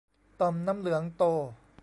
ต่อมน้ำเหลืองโต